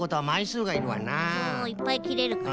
いっぱいきれるからね。